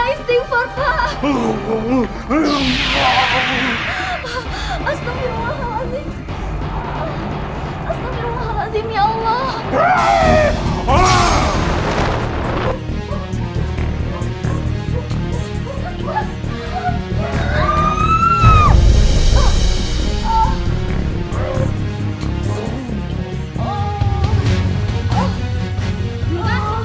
ini kayaknya juragan jai yang lagi keterupan